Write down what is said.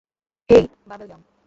হেই, বাবেল ইয়াম।